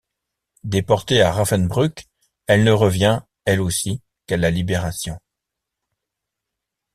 Déportée à Ravensbrück, elle ne revient, elle aussi, qu’à la Libération.